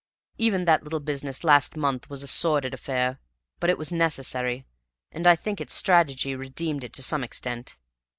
Even that little business last month was a sordid affair, but it was necessary, and I think its strategy redeemed it to some extent.